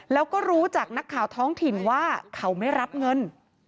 แล้วก็รู้จากนักข่าวท้องถิ่นว่าเขาไม่รับเงิน